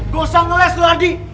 gua usah ngeles lu ardi